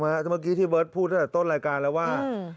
เมื่อกี้ที่เบิร์ตพูดตั้งแต่ต้นรายการแล้วว่า